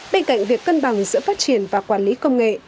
bên cạnh việc cân bằng giữa phát triển và quản lý công nghệ